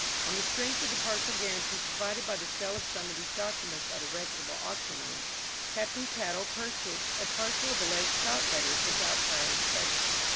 On the strength of the partial guarantee provided by the sale of some of these documents at a reputable auction room, Captain Caddell purchased a parcel of alleged Scott letters without prior inspection.